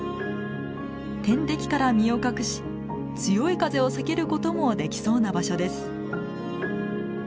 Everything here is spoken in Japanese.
天敵から身を隠し強い風を避けることもできそうな場所です。